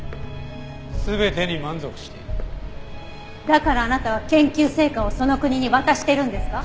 だからあなたは研究成果をその国に渡してるんですか？